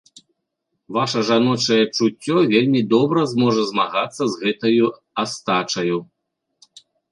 Ваша жаночае чуццё вельмі добра зможа змагацца з гэтаю астачаю.